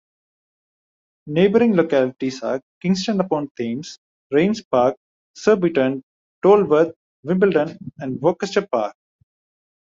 Neighbouring localities are Kingston upon Thames, Raynes Park, Surbiton, Tolworth, Wimbledon and Worcester Park.